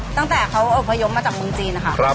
ตั้งแต่เขาอุปยมมาจากมุมจีนค่ะ